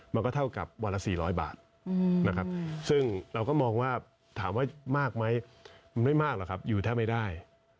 มันก็เท่ากับวันละ๔๐๐บาทนะครับซึ่งเราก็มองว่าถามว่ามากไหมมันไม่มากหรอกครับอยู่แทบไม่ได้